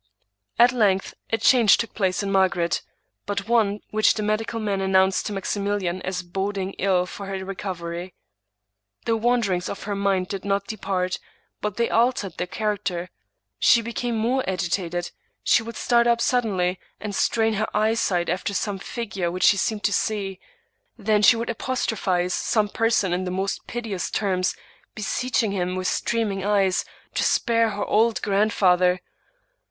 At length a change took place in Margaret, but one which the medical men announced to Maximilian as boding ill for her recovery. The wanderings of her mind did not depart, but they altered their character. She became more agitated; she would start up suddenly, and strain her eye sight after some figure which she seemed to see; then she would apostrophize some person in the most piteous terms, beseeching him, with streaming eyes, to spare her old grandfather.